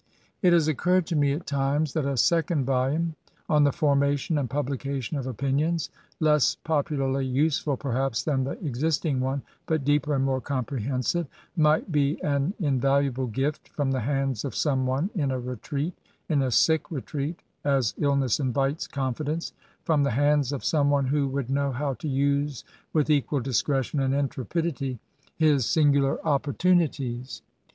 '* It has occurred to me, at times, that a second volume, —^'^ On the Formation and Publication of Opinions," — less popularly useful perhaps than the existing one, but deeper and more comprehensive, might be an invaluable gift from the hands of some one in a retreat, (in a sick retreat, as illness invites confidence,)— from the hands of some one who would know how to use with equal discretion and intrepidity his singular opportunities.